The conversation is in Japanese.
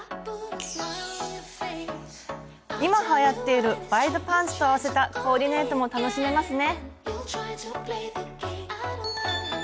今はやっているワイドパンツと合わせたコーディネートも楽しめますね。